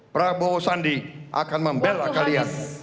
prabowo sandi akan membela kalian